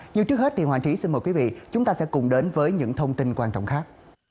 nhưng trước hết thì hoàng trí xin mời quý vị chúng ta sẽ cùng đến với những thông tin quan trọng khác